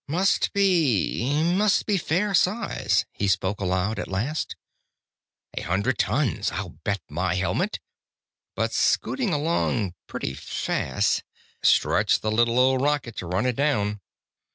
"Must be must be fair size," he spoke aloud, at length. "A hundred tons, I'll bet my helmet! But scooting along pretty fast. Stretch the little old rocket to run it down."